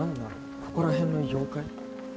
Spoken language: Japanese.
ここら辺の妖怪？